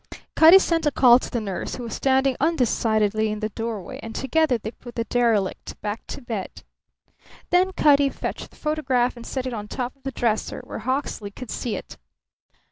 Cutty sent a call to the nurse, who was standing undecidedly in the doorway; and together they put the derelict back to bed. Then Cutty fetched the photograph and set it on top of the dresser, where Hawksley could see it.